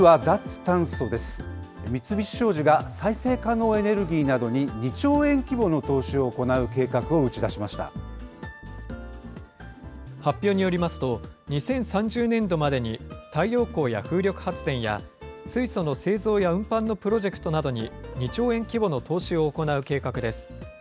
三菱商事が再生可能エネルギーなどに２兆円規模の投資を行う計画発表によりますと、２０３０年度までに太陽光や風力発電や水素の製造や運搬のプロジェクトなどに２兆円規模の投資を行う計画です。